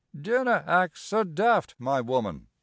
Dinna act sae daft, my wooman.